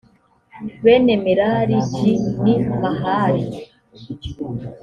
bene merari j ni mahali